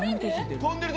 飛んでる。